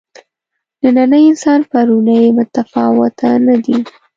نننی انسان پروني متفاوته نه دي.